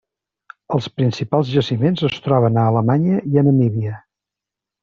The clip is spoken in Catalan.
Els principals jaciments es troben a Alemanya i a Namíbia.